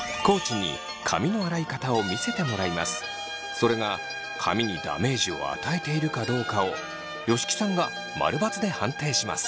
それが髪にダメージを与えているかどうかを吉木さんがマルバツで判定します。